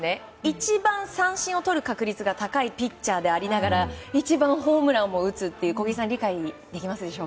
一番、三振をとる確率が高いピッチャーでありながら一番ホームランも打つという小木さん、理解できますか。